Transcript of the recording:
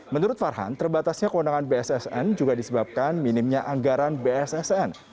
menurut farhan terbatasnya kewenangan bssn juga disebabkan minimnya anggaran bssn